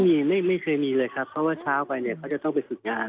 ไม่เคยมีเลยครับเพราะว่าเช้าไปเนี่ยเขาจะต้องไปฝึกงาน